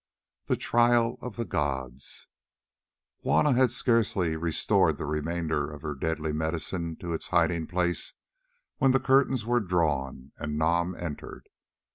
THE TRIAL OF THE GODS Juanna had scarcely restored the remainder of her deadly medicine to its hiding place, when the curtains were drawn and Nam entered.